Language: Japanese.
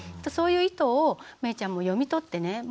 そういう意図をめいちゃんも読み取ってね